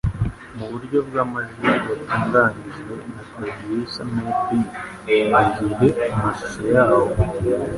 Mu buryo bw'amajwi watunganyijwe na Producer MadeBeat mu gihe amashusho yawo